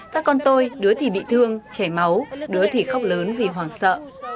các con tôi đứa thì bị thương chảy máu đứa thì khóc lớn vì hoảng sợ